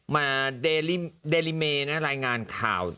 มีรายงานข่าว